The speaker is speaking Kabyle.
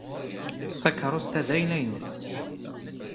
Takeṛṛust-a d ayla-nnes.